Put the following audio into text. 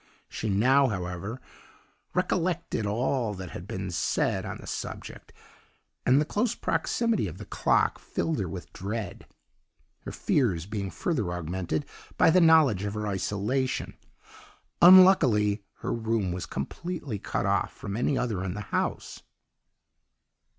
She now, however, recollected all that had been said on the subject, and the close proximity of the clock filled her with dread; her fears being further augmented by the knowledge of her isolation unluckily her room was completely cut off from any other in the house.